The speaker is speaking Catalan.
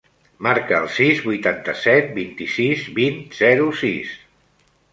Marca el sis, vuitanta-set, vint-i-sis, vint, zero, sis.